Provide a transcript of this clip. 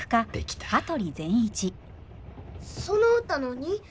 その歌何？